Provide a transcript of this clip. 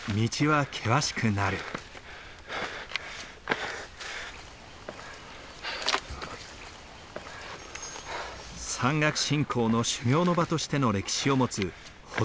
山岳信仰の修行の場としての歴史を持つ武尊山。